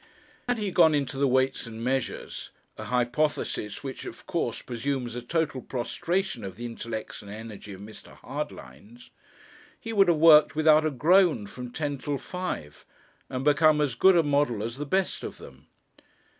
Had he gone into the Weights and Measures, a hypothesis which of course presumes a total prostration of the intellects and energy of Mr. Hardlines, he would have worked without a groan from ten till five, and have become as good a model as the best of them.